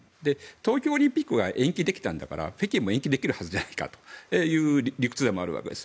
東京オリンピックは延期できたんだから北京も延期できるじゃないかという理屈でもあるわけです。